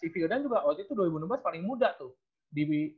si firdan juga waktu itu dua ribu sebelas paling muda tuh